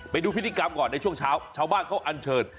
ไปดูพิธีกรรมก่อนในช่วงเช้าชาวบ้านเขาอันเชิญ